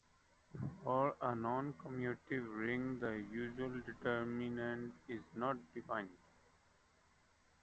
For a noncommutative ring, the usual determinant is not defined.